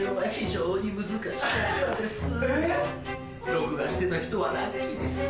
録画してた人はラッキーです。